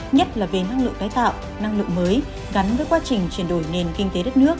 nhất là về năng lượng tái tạo năng lượng mới gắn với quá trình chuyển đổi nền kinh tế đất nước